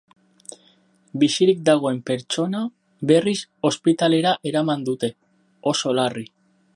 Bizirik dagoen pertsona, berriz, ospitalera eraman dute, oso larri.